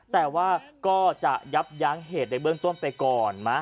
แต่ว่าก็จะยับยั้งเหตุในเบื้องต้นไปก่อนนะ